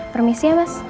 permisi ya mas